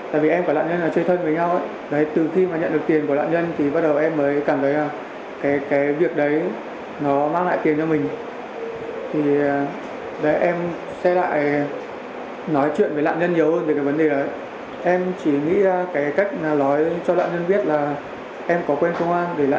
chín mươi triệu đồng